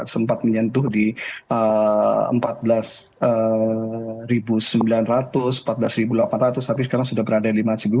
sempat menyentuh di empat belas sembilan ratus empat belas delapan ratus tapi sekarang sudah berada di lima ratus